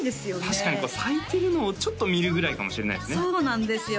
確かに咲いてるのをちょっと見るぐらいかもしれないですねそうなんですよ